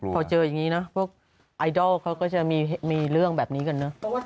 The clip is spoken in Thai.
พอเจออย่างนี้นะพวกไอดอลเขาก็จะมีเรื่องแบบนี้กันเนอะ